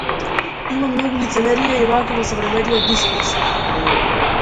Има многу лицемерие и лаги во современиот дискурс.